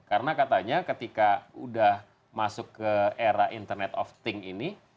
karena katanya ketika udah masuk ke era internet of thing ini